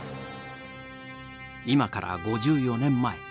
今から５４年前。